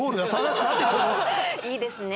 いいですね。